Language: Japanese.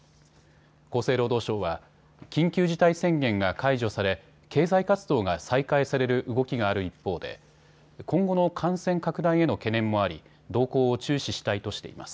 厚生労働省は緊急事態宣言が解除され経済活動が再開される動きがある一方で今後の感染拡大への懸念もあり動向を注視したいとしています。